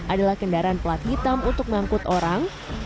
adalah kendaraan pelat hitam untuk mengangkut orang